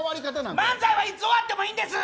漫才はいつ終わってもいいんです！